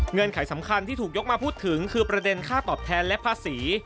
ไขสำคัญที่ถูกยกมาพูดถึงคือประเด็นค่าตอบแทนและภาษี